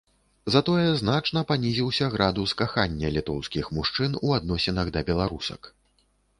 Затое значна панізіўся градус кахання літоўскіх мужчын у адносінах да беларусак.